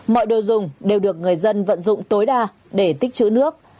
mọi đồ dùng đều được người dân vận dụng tối đa để tích chữ nước